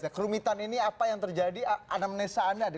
kerumitan ini apa yang terjadi anamnesa anda